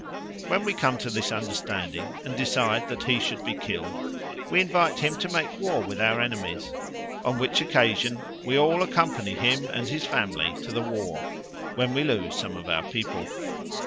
When we come to this understanding, and decide that he should be killed, we invite him to make war with our enemies, on which occasion we all accompany him and his family to the war, when we lose some of our people.